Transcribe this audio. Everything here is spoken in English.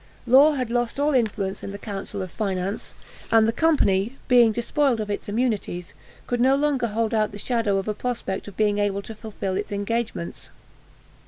Law had lost all influence in the Council of Finance, and the company, being despoiled of its immunities, could no longer hold out the shadow of a prospect of being able to fulfil its engagements.